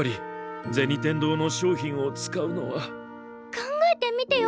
考えてみてよ